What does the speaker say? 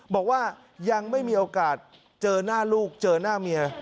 บอกว่ายังไม่มีโอกาสเจอหน้าลูกเจอหน้าเมีย